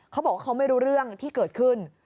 เขาบอกว่าเขาไม่รู้เรื่องที่เกิดขึ้น